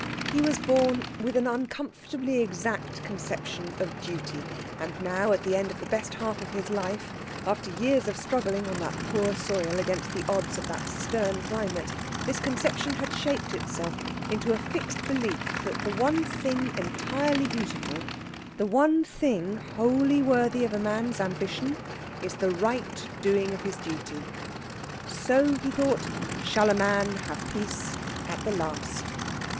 He was born with an uncomfortably exact conception of duty; and now at the end of the best half of his life, after years of struggling on that poor soil against the odds of that stern climate, this conception had shaped itself into a fixed belief that the one thing entirely beautiful, the one thing wholly worthy of a man's ambition, is the right doing of his duty. So, he thought, shall a man have peace at the last.